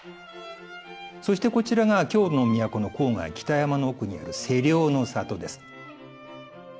そしてこちらが京の都の郊外北山の奥にある芹生の里です。